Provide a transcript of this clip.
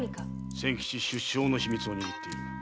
千吉出生の秘密を握っている。